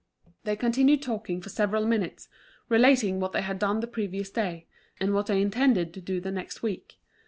They continued talking for several minutes, relating what they had done the previous day, and what they intended to do the next week.